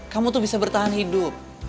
kamu tuh bisa bertahan hidup